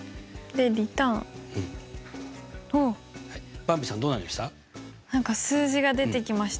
ばんびさんどうなりました？